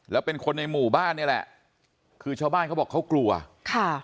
แล้วเป็นคนในหมู่บ้านนี่แหละคือชาวบ้านเขาบอกเขากลัวค่ะ